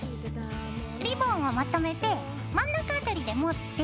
リボンをまとめて真ん中辺りで持って。